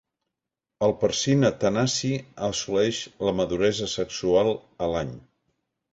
El Percina tanasi assoleix la maduresa sexual a l'any.